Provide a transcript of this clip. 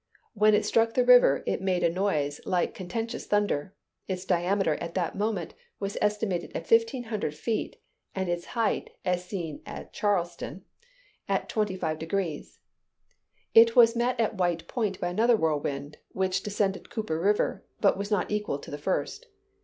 When it struck the river, it made a noise like continuous thunder; its diameter, at that moment, was estimated at fifteen hundred feet, and its height, as seen at Charleston, [Illustration: TORNADO AT MONVILLE.] at twenty five degrees. It was met at White Point by another whirlwind, which descended Cooper River, but was not equal to the first.